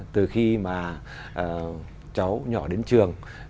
từ khi mà cháu nhỏ đến trường